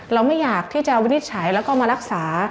เราไม่อยากที่จะวินิจฉัยแล้วก็มารักษา